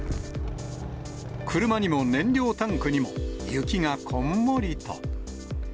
車にも燃料タンクにも、雪がこんもりと。